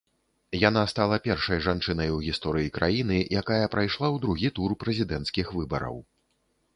Яна стала першай жанчынай у гісторыі краіны, якая прайшла ў другі тур прэзідэнцкіх выбараў.